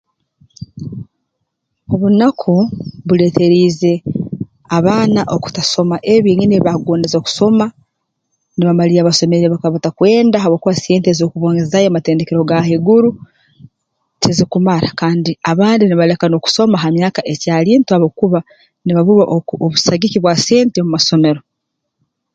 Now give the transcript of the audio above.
Obunaku buleeteriize abaana okutasoma ebi byenyini ebi baakugodeze kusoma nibamalirra basomere ebi bakuba batakwenda habwokuba sente ez'okubongezaayo mu matendekero ga haiguru tizikumara kandi abandi nibaleka n'okusoma ha myaka ekyali nto habwokuba nibaburwa oh obusagiki bwa sente omu masomero